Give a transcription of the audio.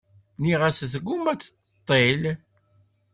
Nniɣ-as tguma ad d-teṭṭil.